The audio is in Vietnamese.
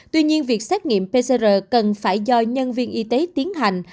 tuy nhiên việc xét nghiệm pcr cần phải do nhân viên y tế tiến hành